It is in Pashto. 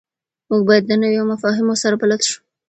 موږ باید د نویو مفاهیمو سره بلد شو.